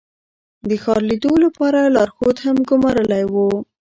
د ښار لیدو لپاره لارښود هم ګمارلی و.